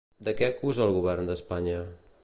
De què acusa el govern d'Espanya?